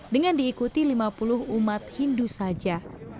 dengan diikuti lima puluh umat hindu saja